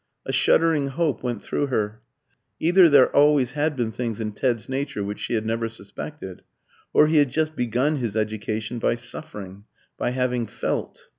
A shuddering hope went through her. Either there always had been things in Ted's nature which she had never suspected, or he had just begun his education by suffering by having felt.